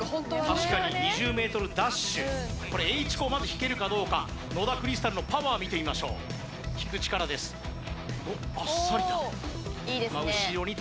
確かに２０ｍダッシュこれＨ鋼まず引けるかどうか野田クリスタルのパワー見てみましょう引く力ですおっあっさりだいいですね